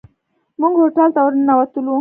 موږ هوټل ته ورننوتلو.